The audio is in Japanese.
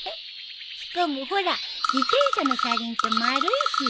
しかもほら自転車の車輪って円いし。